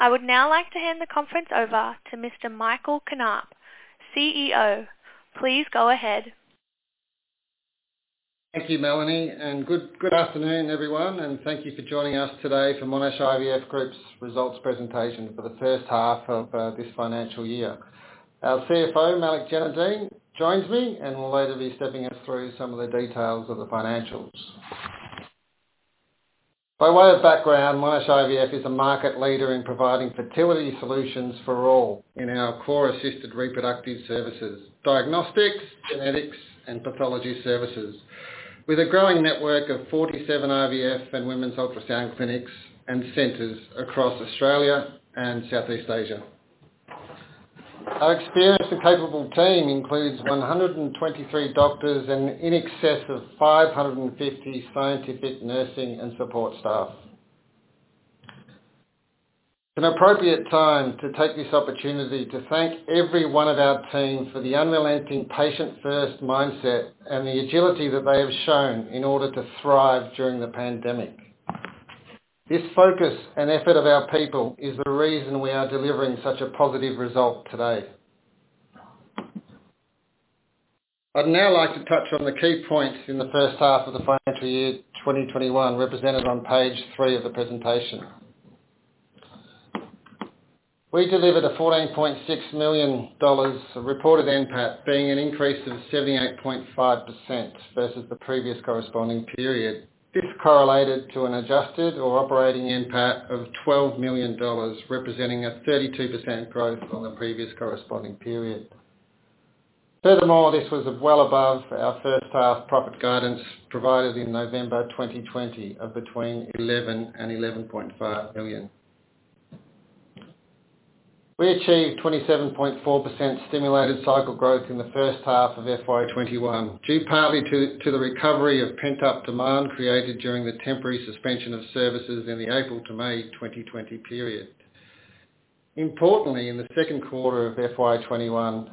I would now like to hand the conference over to Mr. Michael Knaap, CEO. Please go ahead. Thank you, Melanie, good afternoon, everyone, and thank you for joining us today for Monash IVF Group's results presentation for the first half of this financial year. Our CFO, Malik Jainudeen, joins me and will later be stepping us through some of the details of the financials. By way of background, Monash IVF is a market leader in providing fertility solutions for all in our core assisted reproductive services, diagnostics, genetics, and pathology services, with a growing network of 47 IVF and women's ultrasound clinics and centers across Australia and Southeast Asia. Our experienced and capable team includes 123 doctors and in excess of 550 scientific, nursing, and support staff. It's an appropriate time to take this opportunity to thank every one of our team for the unrelenting patient-first mindset and the agility that they have shown in order to thrive during the pandemic. This focus and effort of our people is the reason we are delivering such a positive result today. I'd now like to touch on the key points in the first half of the financial year 2021, represented on page three of the presentation. We delivered a 14.6 million dollars reported NPAT, being an increase of 78.5% versus the previous corresponding period. This correlated to an adjusted or operating NPAT of 12 million dollars, representing a 32% growth on the previous corresponding period. This was well above our first half profit guidance provided in November 2020 of between 11 million and 11.5 million. We achieved 27.4% stimulated cycle growth in the first half of FY 2021, due partly to the recovery of pent-up demand created during the temporary suspension of services in the April to May 2020 period. Importantly, in the second quarter of FY21,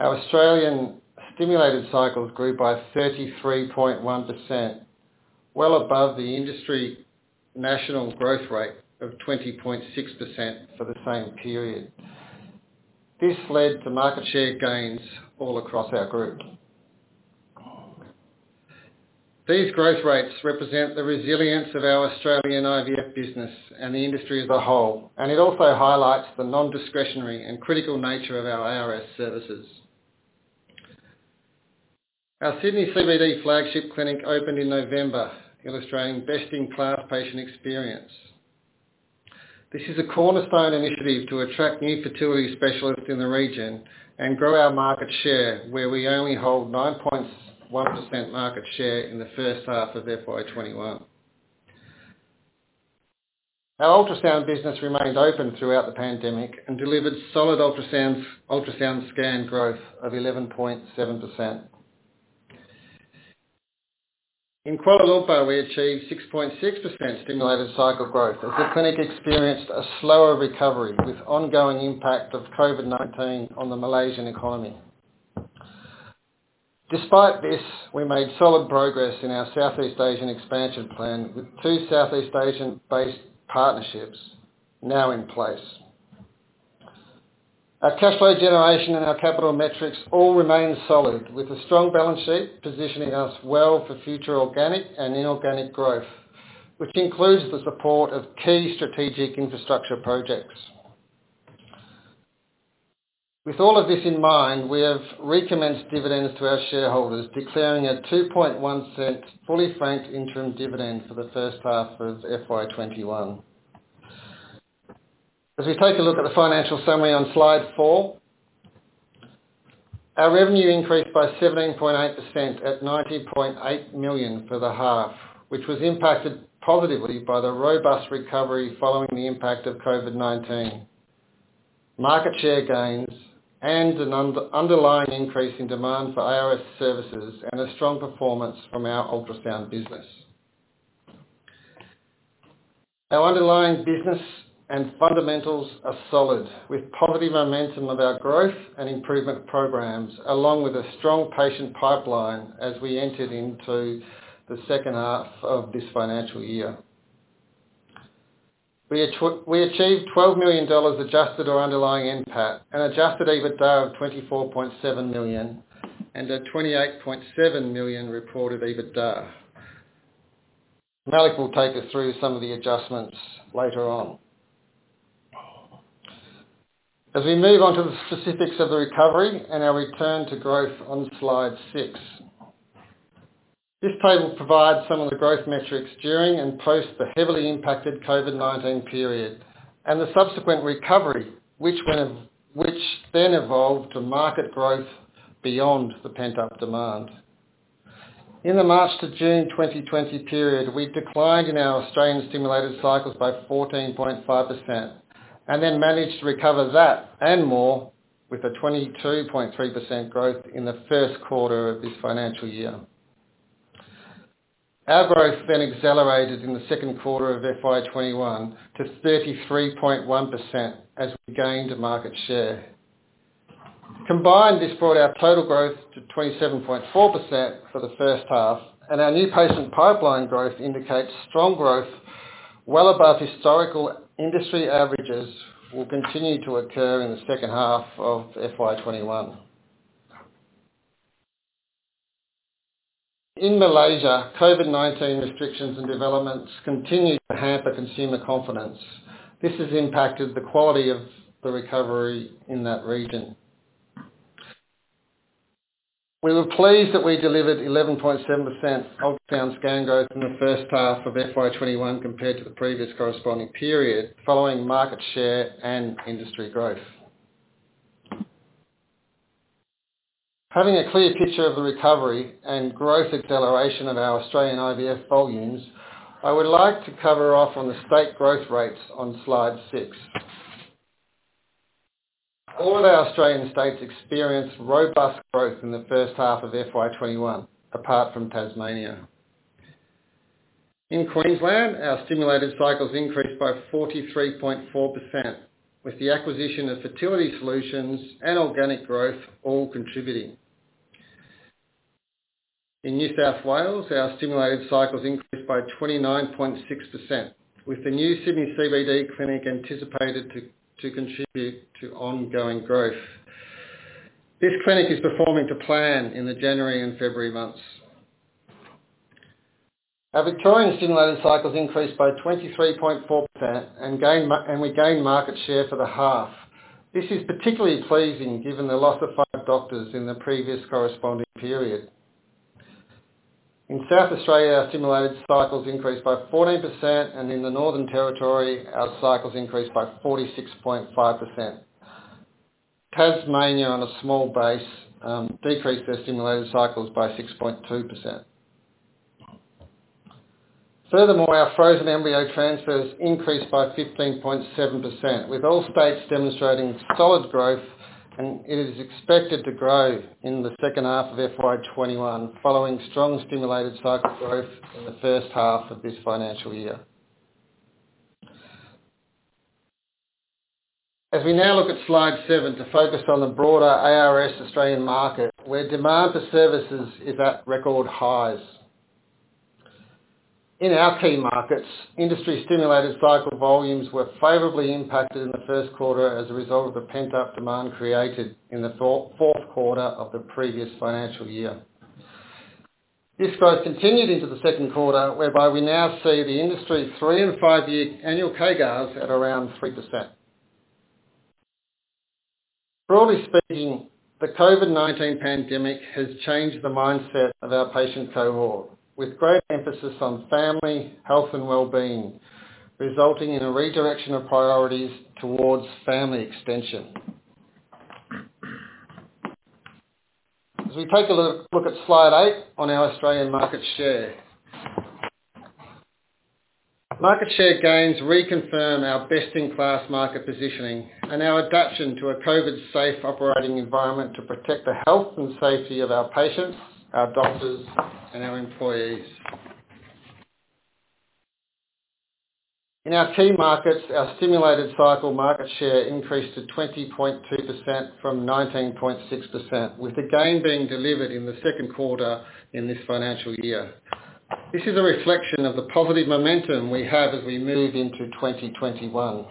our Australian stimulated cycles grew by 33.1%, well above the industry national growth rate of 20.6% for the same period. This led to market share gains all across our group. These growth rates represent the resilience of our Australian IVF business and the industry as a whole, and it also highlights the non-discretionary and critical nature of our ARS services. Our Sydney CBD flagship clinic opened in November, illustrating best-in-class patient experience. This is a cornerstone initiative to attract new fertility specialists in the region and grow our market share where we only hold 9.1% market share in the first half of FY21. Our ultrasound business remained open throughout the pandemic and delivered solid ultrasound scan growth of 11.7%. In Kuala Lumpur, we achieved 6.6% stimulated cycle growth as the clinic experienced a slower recovery with ongoing impact of COVID-19 on the Malaysian economy. Despite this, we made solid progress in our Southeast Asian expansion plan, with two Southeast Asian-based partnerships now in place. Our cash flow generation and our capital metrics all remain solid, with a strong balance sheet positioning us well for future organic and inorganic growth, which includes the support of key strategic infrastructure projects. With all of this in mind, we have recommenced dividends to our shareholders, declaring a 0.021 fully franked interim dividend for the first half of FY21. As we take a look at the financial summary on slide four, our revenue increased by 17.8% at 90.8 million for the half, which was impacted positively by the robust recovery following the impact of COVID-19, market share gains, and an underlying increase in demand for ARS services, and a strong performance from our ultrasound business. Our underlying business and fundamentals are solid, with positive momentum of our growth and improvement programs, along with a strong patient pipeline as we entered into the second half of this financial year. We achieved 12 million dollars adjusted or underlying NPAT, an adjusted EBITDA of 24.7 million, and a 28.7 million reported EBITDA. Malik will take us through some of the adjustments later on. As we move on to the specifics of the recovery and our return to growth on slide six. This table provides some of the growth metrics during and post the heavily impacted COVID-19 period and the subsequent recovery, which then evolved to market growth beyond the pent-up demand. In the March to June 2020 period, we declined in our Australian stimulated cycles by 14.5% and then managed to recover that and more with a 22.3% growth in the first quarter of this financial year. Our growth then accelerated in the second quarter of FY21 to 33.1% as we gained market share. Combined, this brought our total growth to 27.4% for the first half, and our new patient pipeline growth indicates strong growth well above historical industry averages will continue to occur in the second half of FY21. In Malaysia, COVID-19 restrictions and developments continue to hamper consumer confidence. This has impacted the quality of the recovery in that region. We were pleased that we delivered 11.7% ultrasound scan growth in the first half of FY21 compared to the previous corresponding period following market share and industry growth. Having a clear picture of the recovery and growth acceleration of our Australian IVF volumes, I would like to cover off on the state growth rates on slide six. All our Australian states experienced robust growth in the first half of FY21, apart from Tasmania. In Queensland, our stimulated cycles increased by 43.4%, with the acquisition of Fertility Solutions and organic growth all contributing. In New South Wales, our stimulated cycles increased by 29.6%, with the new Sydney CBD clinic anticipated to contribute to ongoing growth. This clinic is performing to plan in the January and February months. Our Victorian stimulated cycles increased by 23.4% and we gained market share for the half. This is particularly pleasing given the loss of five doctors in the previous corresponding period. In South Australia, our stimulated cycles increased by 14%, and in the Northern Territory, our cycles increased by 46.5%. Tasmania, on a small base, decreased their stimulated cycles by 6.2%. Furthermore, our frozen embryo transfers increased by 15.7%, with all states demonstrating solid growth, and it is expected to grow in the second half of FY 2021, following strong stimulated cycle growth in the first half of this financial year. As we now look at slide seven to focus on the broader ARS Australian market, where demand for services is at record highs. In our key markets, industry-stimulated cycle volumes were favorably impacted in the first quarter as a result of the pent-up demand created in the fourth quarter of the previous financial year. This growth continued into the second quarter, whereby we now see the industry three and five-year annual CAGRs at around 3%. Broadly speaking, the COVID-19 pandemic has changed the mindset of our patient cohort, with great emphasis on family, health, and wellbeing, resulting in a redirection of priorities towards family extension. As we take a look at slide eight on our Australian market share. Market share gains reconfirm our best-in-class market positioning and our adaption to a COVID-safe operating environment to protect the health and safety of our patients, our doctors, and our employees. In our key markets, our stimulated cycle market share increased to 20.2% from 19.6%, with the gain being delivered in the second quarter in this financial year. This is a reflection of the positive momentum we have as we move into 2021.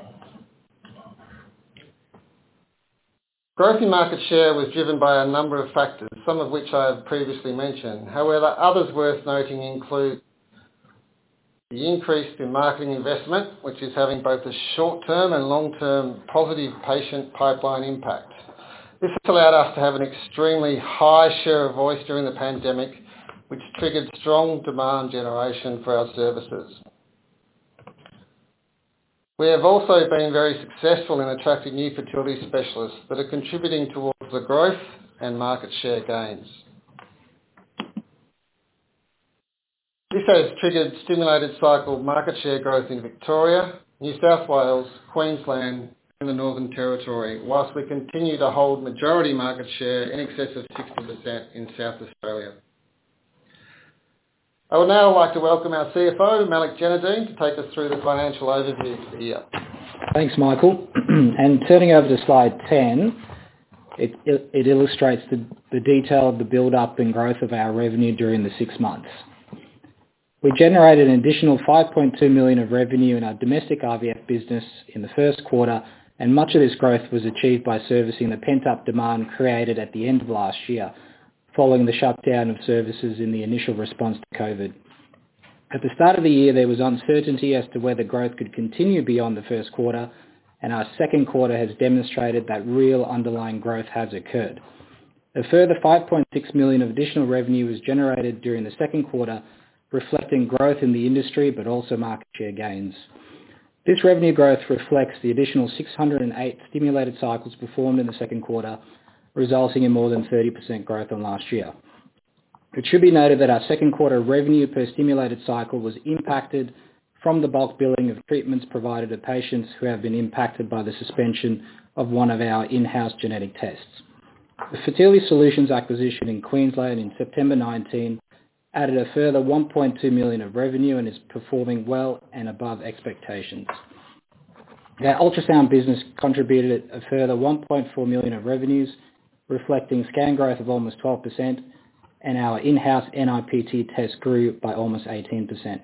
Growth in market share was driven by a number of factors, some of which I have previously mentioned. However, others worth noting include the increase in marketing investment, which is having both a short-term and long-term positive patient pipeline impact. This has allowed us to have an extremely high share of voice during the pandemic, which triggered strong demand generation for our services. We have also been very successful in attracting new fertility specialists that are contributing towards the growth and market share gains. This has triggered stimulated cycle market share growth in Victoria, New South Wales, Queensland, and the Northern Territory, whilst we continue to hold majority market share in excess of 60% in South Australia. I would now like to welcome our CFO, Malik Jainudeen, to take us through the financial overview for the year. Thanks, Michael. Turning over to slide 10, it illustrates the detail of the buildup and growth of our revenue during the six months. We generated an additional 5.2 million of revenue in our domestic IVF business in the first quarter, much of this growth was achieved by servicing the pent-up demand created at the end of last year, following the shutdown of services in the initial response to COVID. At the start of the year, there was uncertainty as to whether growth could continue beyond the first quarter, our second quarter has demonstrated that real underlying growth has occurred. A further 5.6 million of additional revenue was generated during the second quarter, reflecting growth in the industry but also market share gains. This revenue growth reflects the additional 608 stimulated cycles performed in the second quarter, resulting in more than 30% growth on last year. It should be noted that our second quarter revenue per stimulated cycle was impacted from the bulk billing of treatments provided to patients who have been impacted by the suspension of one of our in-house genetic tests. The Fertility Solutions acquisition in Queensland in September 2019 added a further 1.2 million of revenue and is performing well and above expectations. Our ultrasound business contributed a further 1.4 million of revenues, reflecting scan growth of almost 12%, and our in-house NIPT test grew by almost 18%.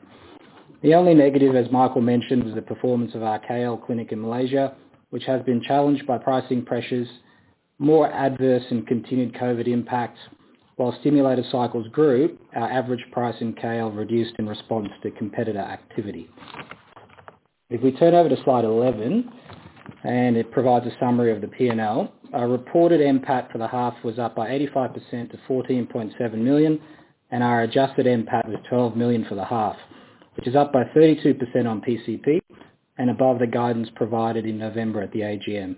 The only negative, as Michael mentioned, was the performance of our KL clinic in Malaysia, which has been challenged by pricing pressures, more adverse and continued COVID impacts. While stimulated cycles grew, our average price in KL reduced in response to competitor activity. If we turn over to slide 11, it provides a summary of the P&L. Our reported NPAT for the half was up by 78.5% to 14.6 million. Our adjusted NPAT was 12 million for the half, which is up by 32% on PCP and above the guidance provided in November at the AGM.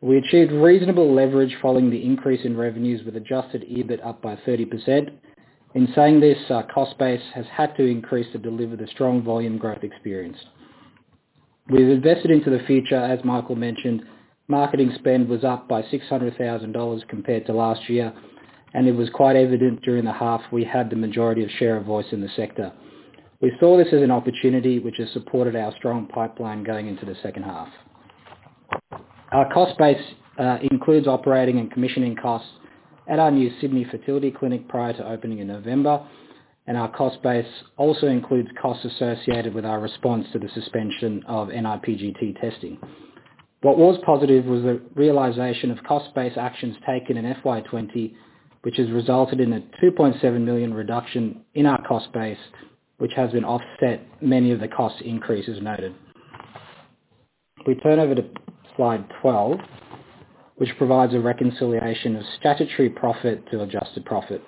We achieved reasonable leverage following the increase in revenues with adjusted EBIT up by 30%. In saying this, our cost base has had to increase to deliver the strong volume growth experienced. We've invested into the future, as Michael mentioned. Marketing spend was up by 600,000 dollars compared to last year, and it was quite evident during the half we had the majority of share of voice in the sector. We saw this as an opportunity, which has supported our strong pipeline going into the second half. Our cost base includes operating and commissioning costs at our new Sydney fertility clinic prior to opening in November. Our cost base also includes costs associated with our response to the suspension of niPGT-A testing. What was positive was the realization of cost-based actions taken in FY20, which has resulted in a 2.7 million reduction in our cost base, which has offset many of the cost increases noted. If we turn over to slide 12, which provides a reconciliation of statutory profit to adjusted profit.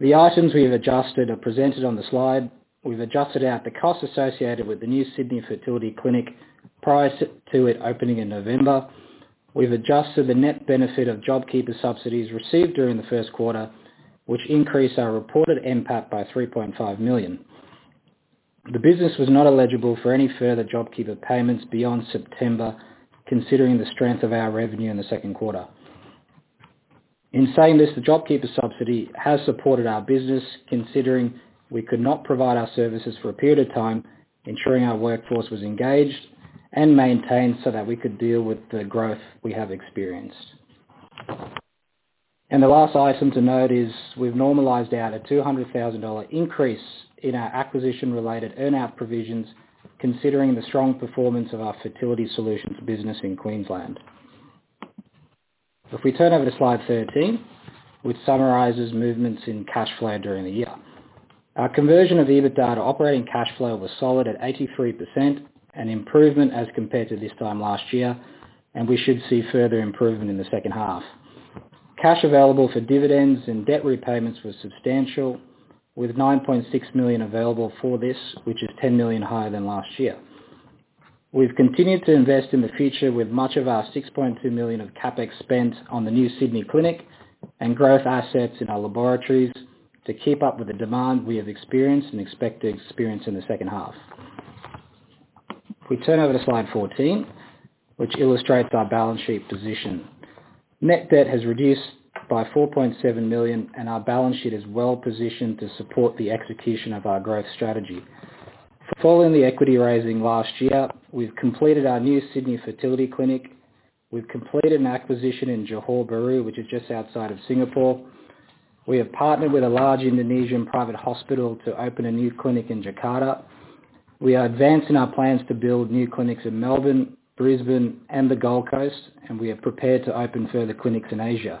The items we have adjusted are presented on the slide. We've adjusted out the cost associated with the new Sydney fertility clinic prior to it opening in November. We've adjusted the net benefit of JobKeeper subsidies received during the first quarter, which increased our reported NPAT by 3.5 million. The business was not eligible for any further JobKeeper payments beyond September, considering the strength of our revenue in the second quarter. In saying this, the JobKeeper subsidy has supported our business, considering we could not provide our services for a period of time, ensuring our workforce was engaged and maintained so that we could deal with the growth we have experienced. The last item to note is we've normalized out a 200,000 dollar increase in our acquisition-related earn-out provisions, considering the strong performance of our Fertility Solutions business in Queensland. If we turn over to slide 13, which summarizes movements in cash flow during the year. Our conversion of EBITDA to operating cash flow was solid at 83%, an improvement as compared to this time last year, and we should see further improvement in the second half. Cash available for dividends and debt repayments was substantial, with 9.6 million available for this, which is 10 million higher than last year. We've continued to invest in the future with much of our 6.2 million of CapEx spent on the new Sydney clinic and growth assets in our laboratories to keep up with the demand we have experienced and expect to experience in the second half. If we turn over to slide 14, which illustrates our balance sheet position. Net debt has reduced by 4.7 million, and our balance sheet is well positioned to support the execution of our growth strategy. Following the equity raising last year, we've completed our new Sydney fertility clinic. We've completed an acquisition in Johor Bahru, which is just outside of Singapore. We have partnered with a large Indonesian private hospital to open a new clinic in Jakarta. We are advancing our plans to build new clinics in Melbourne, Brisbane, and the Gold Coast, and we are prepared to open further clinics in Asia.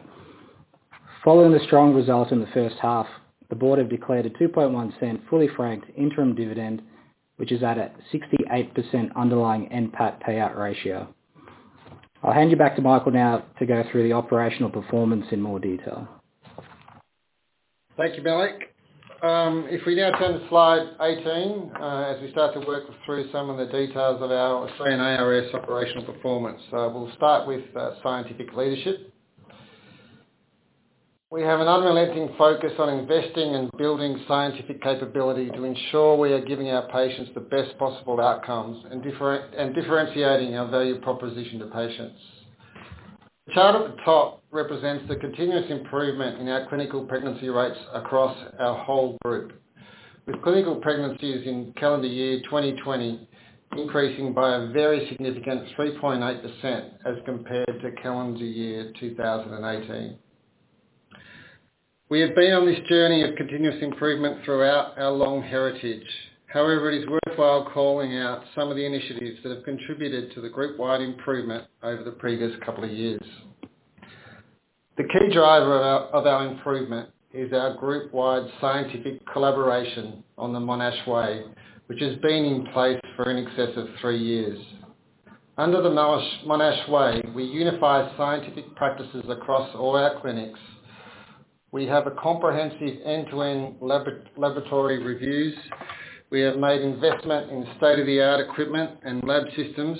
Following the strong results in the first half, the board have declared a 0.021 fully franked interim dividend, which is at a 68% underlying NPAT payout ratio. I'll hand you back to Michael now to go through the operational performance in more detail. Thank you, Malik. We now turn to slide 18, as we start to work through some of the details of our Australian ARS operational performance. We'll start with scientific leadership. We have an unrelenting focus on investing and building scientific capability to ensure we are giving our patients the best possible outcomes and differentiating our value proposition to patients. The chart at the top represents the continuous improvement in our clinical pregnancy rates across our whole group, with clinical pregnancies in calendar year 2020 increasing by a very significant 3.8% as compared to calendar year 2018. We have been on this journey of continuous improvement throughout our long heritage. However, it is worthwhile calling out some of the initiatives that have contributed to the group-wide improvement over the previous couple of years. The key driver of our improvement is our group-wide scientific collaboration on the Monash Way, which has been in place for in excess of three years. Under the Monash Way, we unify scientific practices across all our clinics. We have a comprehensive end-to-end laboratory reviews. We have made investment in state-of-the-art equipment and lab systems,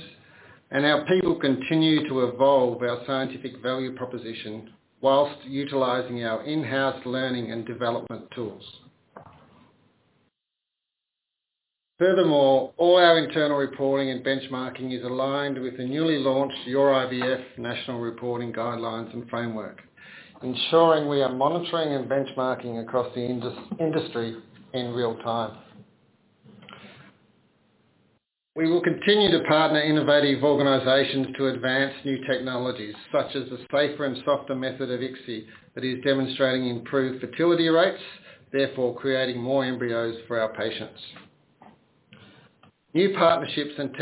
and our people continue to evolve our scientific value proposition whilst utilizing our in-house learning and development tools. Furthermore, all our internal reporting and benchmarking is aligned with the newly launched Your IVF national reporting guidelines and framework, ensuring we are monitoring and benchmarking across the industry in real time. We will continue to partner innovative organizations to advance new technologies, such as the safer and softer method of ICSI that is demonstrating improved fertility rates, therefore creating more embryos for our patients. New partnerships and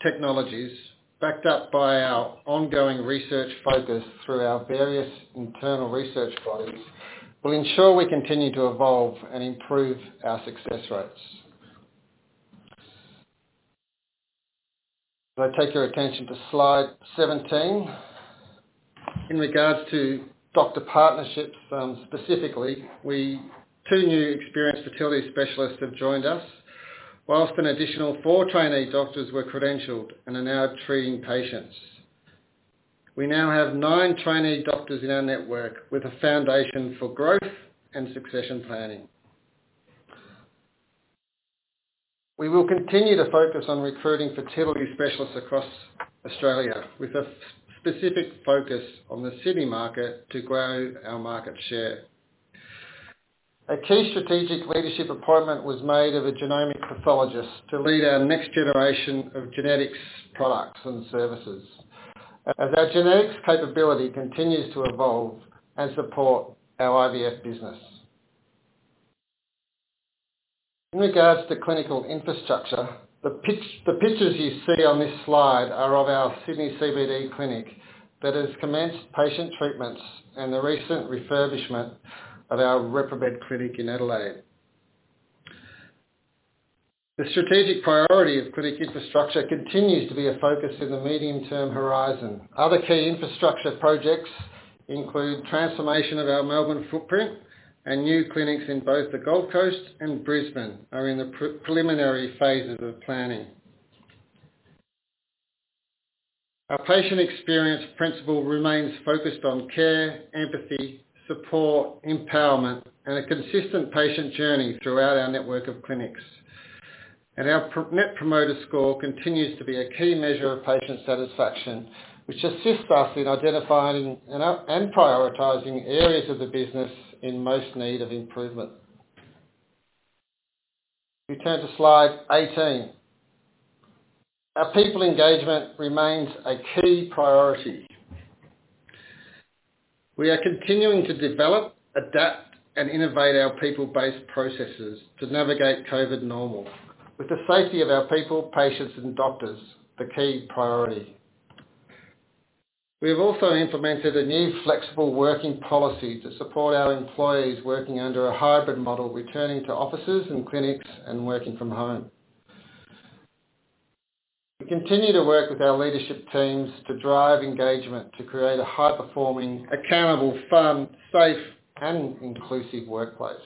technologies, backed up by our ongoing research focus through our various internal research bodies, will ensure we continue to evolve and improve our success rates. If I take your attention to slide 17. In regards to doctor partnerships specifically, two new experienced fertility specialists have joined us, whilst an additional four trainee doctors were credentialed and are now treating patients. We now have nine trainee doctors in our network, with a foundation for growth and succession planning. We will continue to focus on recruiting fertility specialists across Australia, with a specific focus on the Sydney market to grow our market share. A key strategic leadership appointment was made of a genomic pathologist to lead our next generation of genetics products and services, as our genetics capability continues to evolve and support our IVF business. In regards to clinical infrastructure, the pictures you see on this slide are of our Sydney CBD clinic that has commenced patient treatments, and the recent refurbishment of our Repromed clinic in Adelaide. The strategic priority of clinic infrastructure continues to be a focus in the medium-term horizon. Other key infrastructure projects include transformation of our Melbourne footprint, and new clinics in both the Gold Coast and Brisbane are in the preliminary phases of planning. Our patient experience principle remains focused on care, empathy, support, empowerment, and a consistent patient journey throughout our network of clinics. Our net promoter score continues to be a key measure of patient satisfaction, which assists us in identifying and prioritizing areas of the business in most need of improvement. We turn to slide 18. Our people engagement remains a key priority. We are continuing to develop, adapt, and innovate our people-based processes to navigate COVID normal, with the safety of our people, patients, and doctors the key priority. We have also implemented a new flexible working policy to support our employees working under a hybrid model, returning to offices and clinics, and working from home. We continue to work with our leadership teams to drive engagement to create a high-performing, accountable, fun, safe, and inclusive workplace.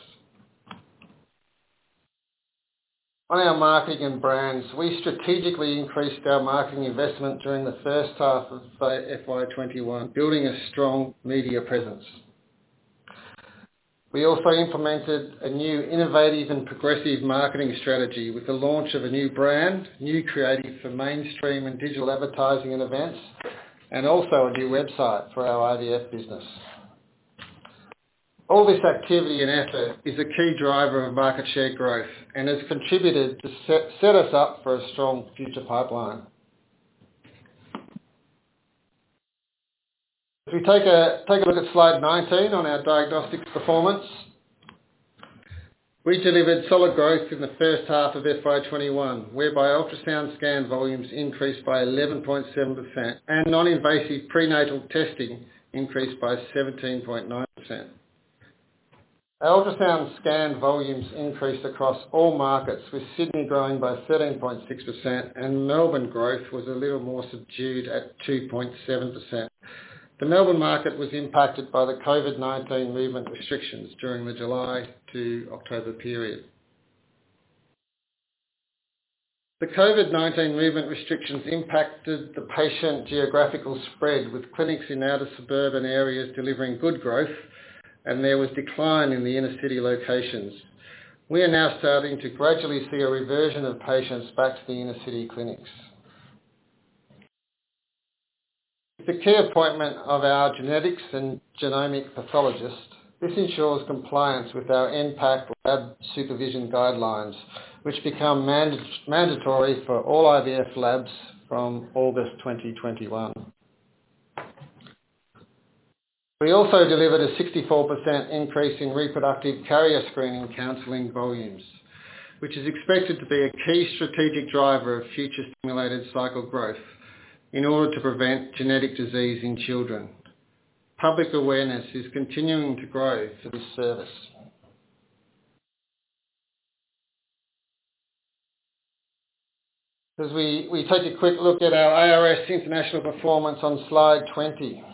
On our marketing and brands, we strategically increased our marketing investment during the first half of FY21, building a strong media presence. We also implemented a new innovative and progressive marketing strategy with the launch of a new brand, new creative for mainstream and digital advertising and events, and also a new website for our IVF business. All this activity and effort is a key driver of market share growth and has contributed to set us up for a strong future pipeline. If we take a look at slide 19 on our diagnostics performance. We delivered solid growth in the first half of FY 2021, whereby ultrasound scan volumes increased by 11.7%, and non-invasive prenatal testing increased by 17.9%. Our ultrasound scan volumes increased across all markets, with Sydney growing by 13.6%, and Melbourne growth was a little more subdued at 2.7%. The Melbourne market was impacted by the COVID-19 movement restrictions during the July to October period. The COVID-19 movement restrictions impacted the patient geographical spread, with clinics in outer suburban areas delivering good growth, and there was decline in the inner-city locations. We are now starting to gradually see a reversion of patients back to the inner-city clinics. With the key appointment of our genetics and genomic pathologist, this ensures compliance with our NPAAC lab supervision guidelines, which become mandatory for all IVF labs from August 2021. We also delivered a 64% increase in reproductive carrier screening counseling volumes, which is expected to be a key strategic driver of future stimulated cycle growth in order to prevent genetic disease in children. Public awareness is continuing to grow for this service. As we take a quick look at our ARS international performance on slide 20.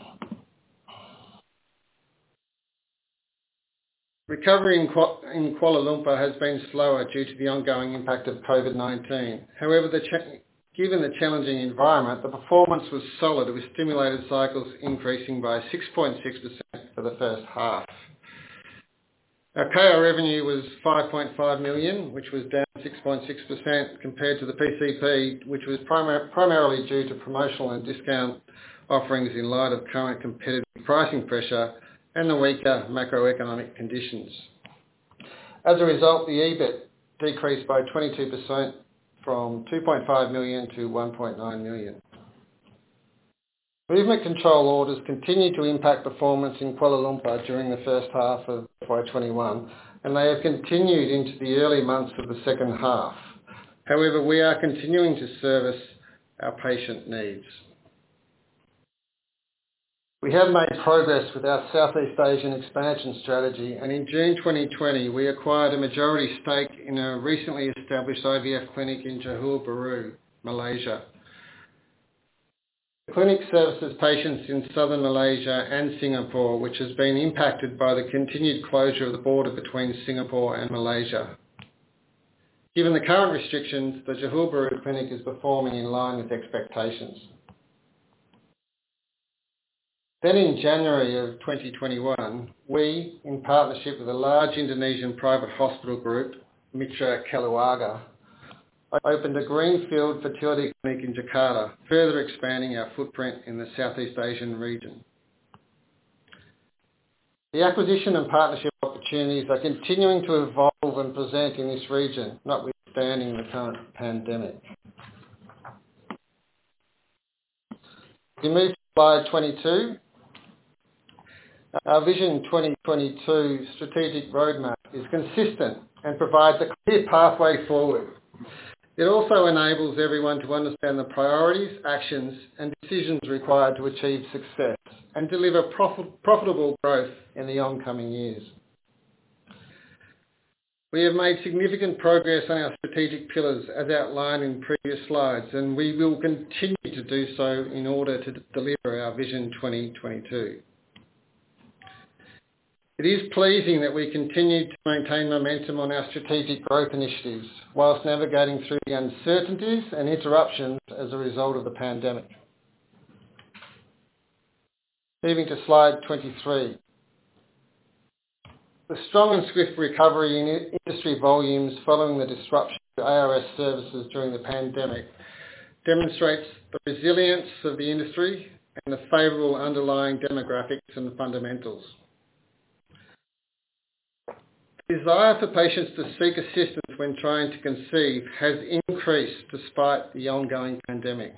Recovery in Kuala Lumpur has been slower due to the ongoing impact of COVID-19. However, given the challenging environment, the performance was solid, with stimulated cycles increasing by 6.6% for the first half. Our KL revenue was 5.5 million, which was down 6.6% compared to the PCP, which was primarily due to promotional and discount offerings in light of current competitive pricing pressure and the weaker macroeconomic conditions. The EBIT decreased by 22% from 2.5 million to 1.9 million. Movement control orders continued to impact performance in Kuala Lumpur during the first half of 2021, they have continued into the early months of the second half. We are continuing to service our patient needs. We have made progress with our Southeast Asian expansion strategy, in June 2020, we acquired a majority stake in a recently established IVF clinic in Johor Bahru, Malaysia. The clinic services patients in Southern Malaysia and Singapore, which has been impacted by the continued closure of the border between Singapore and Malaysia. Given the current restrictions, the Johor Bahru clinic is performing in line with expectations. In January of 2021, we, in partnership with a large Indonesian private hospital group, Mitra Keluarga, opened a greenfield fertility clinic in Jakarta, further expanding our footprint in the Southeast Asian region. The acquisition and partnership opportunities are continuing to evolve and present in this region, notwithstanding the current pandemic. If we move to slide 22. Our Vision 2022 strategic roadmap is consistent and provides a clear pathway forward. It also enables everyone to understand the priorities, actions, and decisions required to achieve success and deliver profitable growth in the oncoming years. We have made significant progress on our strategic pillars, as outlined in previous slides, and we will continue to do so in order to deliver our Vision 2022. It is pleasing that we continue to maintain momentum on our strategic growth initiatives whilst navigating through the uncertainties and interruptions as a result of the pandemic. Moving to slide 23. The strong and swift recovery in industry volumes following the disruption to IVF services during the pandemic demonstrates the resilience of the industry and the favorable underlying demographics and the fundamentals. The desire for patients to seek assistance when trying to conceive has increased despite the ongoing pandemic.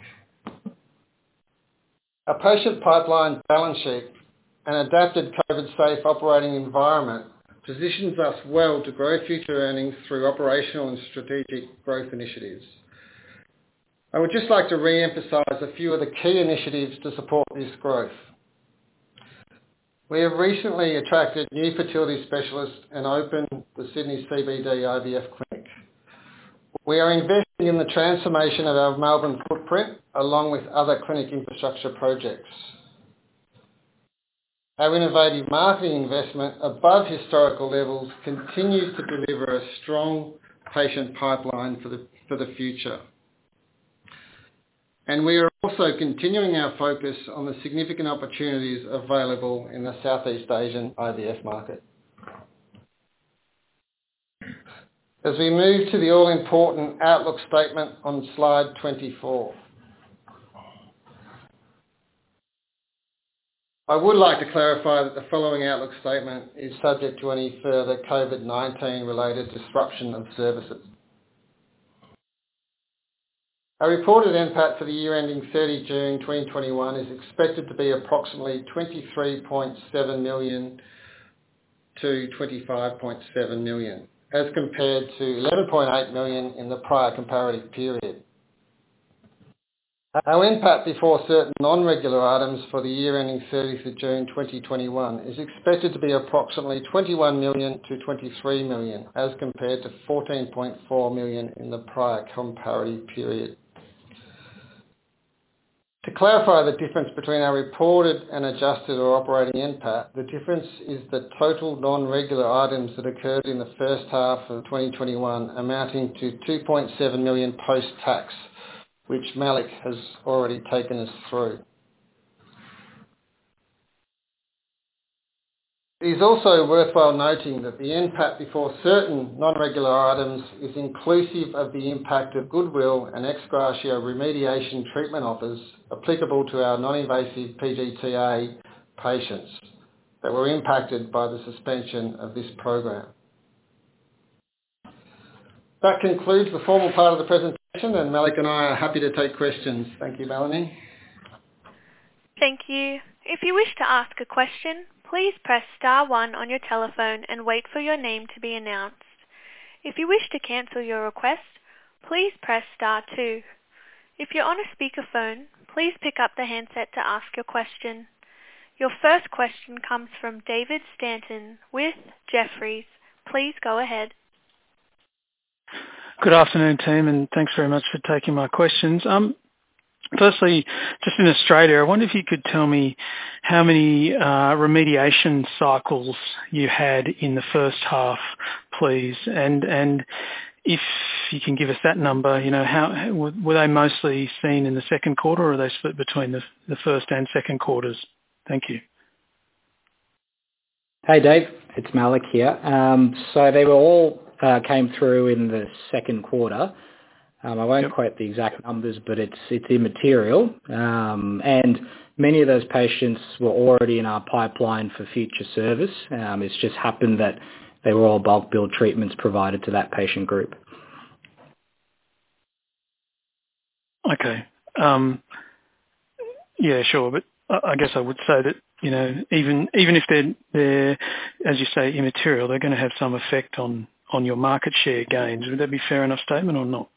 Our patient pipeline balance sheet and adapted COVID-safe operating environment positions us well to grow future earnings through operational and strategic growth initiatives. I would just like to reemphasize a few of the key initiatives to support this growth. We have recently attracted new fertility specialists and opened the Sydney CBD IVF clinic. We are investing in the transformation of our Melbourne footprint, along with other clinic infrastructure projects. Our innovative marketing investment above historical levels continues to deliver a strong patient pipeline for the future. We are also continuing our focus on the significant opportunities available in the Southeast Asian IVF market. As we move to the all-important outlook statement on slide 24. I would like to clarify that the following outlook statement is subject to any further COVID-19 related disruption of services. Our reported NPAT for the year ending 30 June 2021 is expected to be approximately 23.7 million-25.7 million, as compared to 11.8 million in the prior comparative period. Our NPAT before certain non-regular items for the year ending 30 June 2021 is expected to be approximately 21 million-23 million, as compared to 14.4 million in the prior comparative period. To clarify the difference between our reported and adjusted or operating NPAT, the difference is the total non-regular items that occurred in the first half of 2021, amounting to 2.7 million post-tax, which Malik has already taken us through. It is also worthwhile noting that the NPAT before certain non-regular items is inclusive of the impact of goodwill and ex gratia remediation treatment offers applicable to our non-invasive PGT-A patients that were impacted by the suspension of this program. That concludes the formal part of the presentation, and Malik and I are happy to take questions. Thank you, Melanie. Thank you. Your first question comes from David Stanton with Jefferies. Please go ahead. Good afternoon, team, and thanks very much for taking my questions. Firstly, just in Australia, I wonder if you could tell me how many remediation cycles you had in the first half, please. If you can give us that number, were they mostly seen in the second quarter, or are they split between the first and second quarters? Thank you. Hey, David. It's Malik here. They all came through in the second quarter. I won't quote the exact numbers, but it's immaterial. Many of those patients were already in our pipeline for future service. It's just happened that they were all bulk bill treatments provided to that patient group. Okay. Yeah, sure. I guess I would say that, even if they're, as you say, immaterial, they're going to have some effect on your market share gains. Would that be a fair enough statement or not?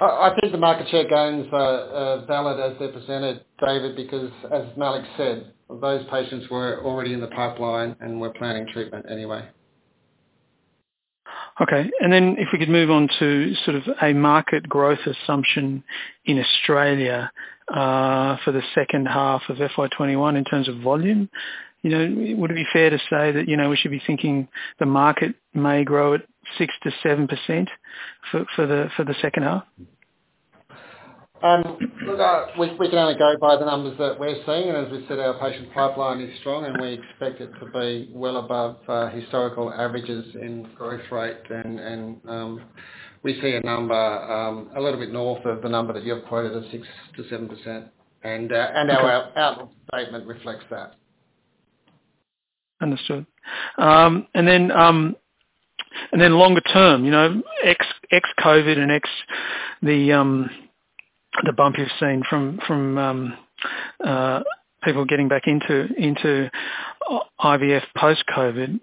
I think the market share gains are valid as they're presented, David, because, as Malik said, those patients were already in the pipeline and were planning treatment anyway. Okay. If we could move on to sort of a market growth assumption in Australia, for the second half of FY21 in terms of volume. Would it be fair to say that we should be thinking the market may grow at 6%-7% for the second half? We can only go by the numbers that we're seeing, and as we said, our patient pipeline is strong and we expect it to be well above historical averages in growth rate and we see a number, a little bit north of the number that you've quoted of 6% to 7%. Our outlook statement reflects that. Understood. Longer term, ex-COVID and the bump you've seen from people getting back into IVF post-COVID,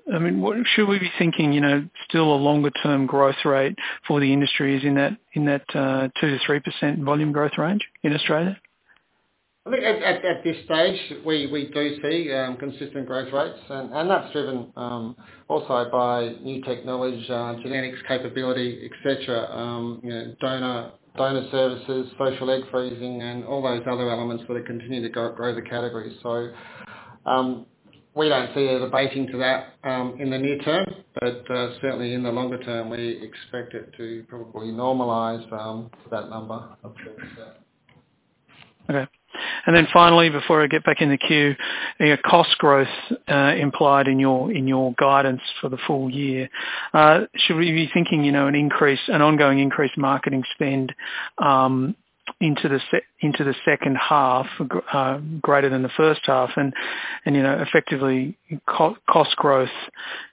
should we be thinking, still a longer term growth rate for the industry is in that 2%-3% volume growth range in Australia? I think at this stage, we do see consistent growth rates, and that's driven also by new technology, genetics capability, et cetera, donor services, social egg freezing, and all those other elements that continue to grow the category. We don't see an abating to that in the near term. Certainly, in the longer term, we expect it to probably normalize that number of Okay. Finally, before I get back in the queue, your cost growth implied in your guidance for the full year, should we be thinking an ongoing increase in marketing spend into the second half, greater than the first half and, effectively cost growth,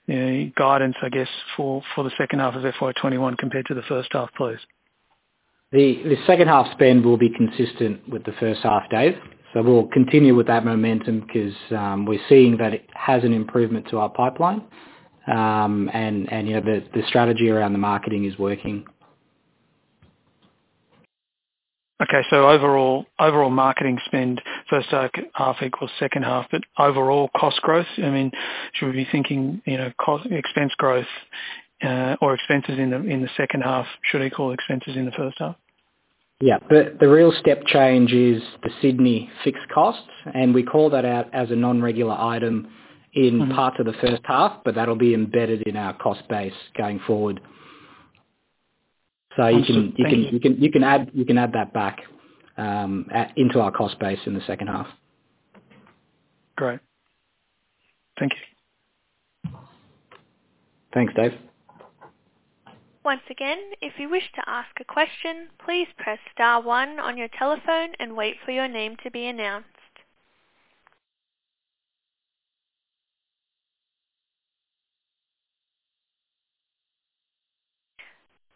guidance, I guess, for the second half of FY 2021 compared to the first half close? The second half spend will be consistent with the first half, David. We'll continue with that momentum because we're seeing that it has an improvement to our pipeline. The strategy around the marketing is working. Overall marketing spend first half equals second half, but overall cost growth, should we be thinking expense growth or expenses in the second half should equal expenses in the first half? Yeah. The real step change is the Sydney fixed costs, and we call that out as a non-regular item in. parts of the first half, That'll be embedded in our cost base going forward. You can. Understood. Thank you. add that back into our cost base in the second half. Great. Thank you. Thanks, David. Once again, if you wish to ask a question, please press star one on your telephone and wait for your name to be announced.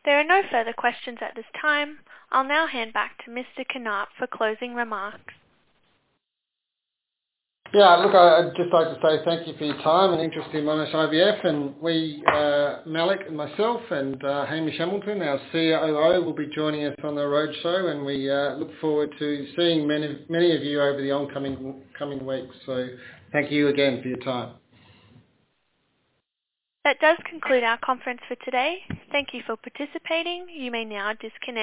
There are no further questions at this time. I'll now hand back to Mr. Knaap for closing remarks. Yeah, look, I'd just like to say thank you for your time and interest in Monash IVF, and we, Malik and myself, and Hamish Hamilton, our COO, will be joining us on the roadshow, and we look forward to seeing many of you over the oncoming weeks. Thank you again for your time. That does conclude our conference for today. Thank you for participating. You may now disconnect.